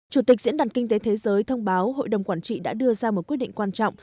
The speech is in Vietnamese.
chủ tịch diễn đàn kinh tế thế giới thông báo hội đồng quản trị đã đưa ra một quyết định quan trọng